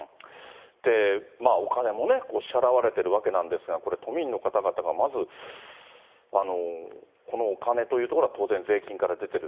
お金もね、支払われているわけですけれども、これ、都民の方々がまずこのお金というところは当然税金から出てる。